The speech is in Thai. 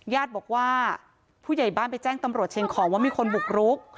ญาติบอกว่าผู้ใหญ่บ้านไปแจ้งตำรวจเชียงของว่ามีคนบุกรุก